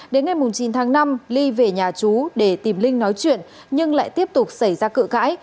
đến ngày chín tháng năm ly về nhà chú để tìm linh nói chuyện nhưng lại tiếp tục xảy ra cự cãi